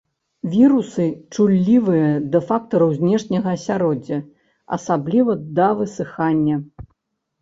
Вірусы чуллівыя да фактараў знешняга асяроддзя, асабліва да высыхання.